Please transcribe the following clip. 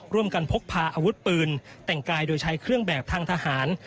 พกพาอาวุธปืนแต่งกายโดยใช้เครื่องแบบทางทหาร